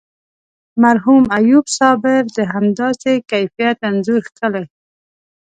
مرحوم ایوب صابر د همداسې کیفیت انځور کښلی.